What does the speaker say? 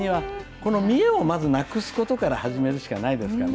この見栄をまずなくすことから始めるしかないですかね。